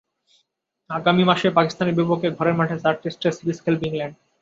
আগামী মাসে পাকিস্তানের বিপক্ষে ঘরের মাঠে চার টেস্টের সিরিজ খেলবে ইংল্যান্ড।